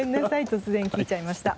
突然聞いちゃいました。